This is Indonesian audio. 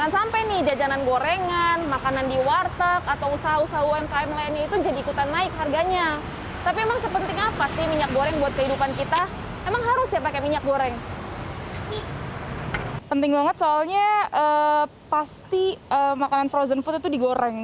soalnya pasti makanan frozen food itu digoreng